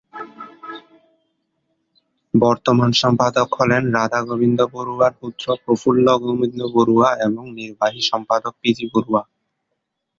বর্তমান সম্পাদক হলেন রাধা গোবিন্দ বড়ুয়ার পুত্র প্রফুল্ল গোবিন্দ বড়ুয়া এবং নির্বাহী সম্পাদক পিজি বড়ুয়া।